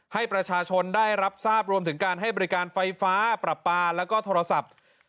ให้ประชาชนได้รับทราบรวมถึงการให้บริการไฟฟ้าปรับปลาแล้วก็โทรศัพท์